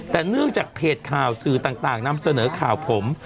แต่เนื่องจากเพจข่าวสื่อต่างนำเสนอข่าวผม